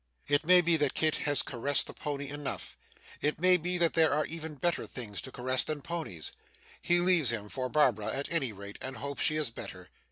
It may be that Kit has caressed the pony enough; it may be that there are even better things to caress than ponies. He leaves him for Barbara at any rate, and hopes she is better.